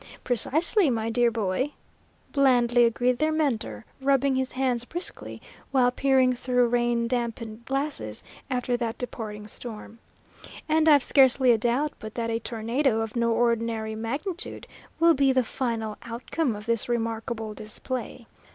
"Precisely, my dear boy," blandly agreed their mentor, rubbing his hands briskly, while peering through rain dampened glasses, after that departing storm. "And I have scarcely a doubt but that a tornado of no ordinary magnitude will be the final outcome of this remarkable display.